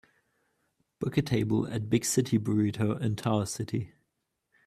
book a table at Big City Burrito in Tower City